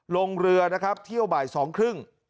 ลงเรือนะครับเที่ยวบ่ายสองครึ่ง